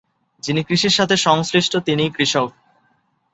যিনি কৃষির সাথে সংশ্লিষ্ট তিনিই কৃষক।